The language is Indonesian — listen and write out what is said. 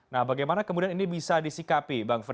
nah bagaimana kemudian ini bisa disikapi